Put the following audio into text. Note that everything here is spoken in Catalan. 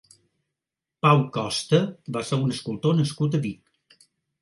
Pau Costa va ser un escultor nascut a Vic.